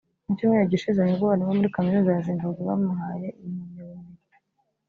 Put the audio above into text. Mu cyumweru gishize nibwo abarimu bo muri Kaminuza ya Zimbabwe bamuhaye iyi mpamyabumenyi